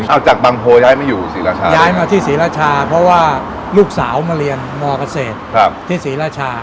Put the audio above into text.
อ้าจากบางโพย้อย่อยอยู่ศรีรชาเพราะว่าลูกสาวมาเรียนมอเกษตรที่ศรีรชา